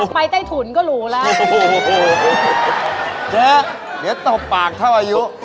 ไปไต้หวัน๘๐ตอนแล้ว